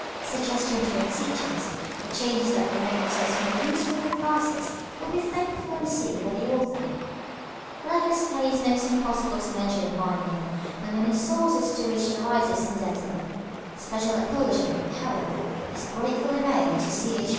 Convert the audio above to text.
Suggestions, from teachers, of changes that will make the text more useful in their classes, will be thankfully received by the author. Lack of space makes it impossible to mention by name the many sources to which the writer is indebted. Special acknowledgment, however, is gratefully made to C. H.